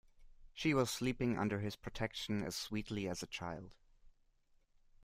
She was sleeping under his protection as sweetly as a child.